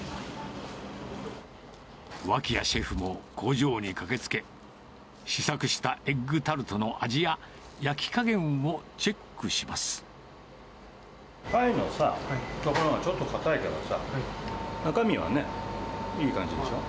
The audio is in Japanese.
脇屋シェフも工場に駆けつけ、試作したエッグタルトの味や、パイのさ、所がちょっと固いからさ、中身はね、いい感じでしょ。